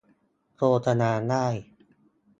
โฆษณาได้